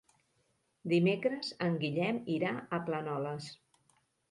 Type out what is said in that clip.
Dimecres en Guillem irà a Planoles.